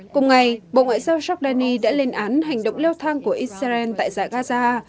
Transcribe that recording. cùng ngày bộ ngoại giao jordani đã lên án hành động leo thang của israel tại dãy gaza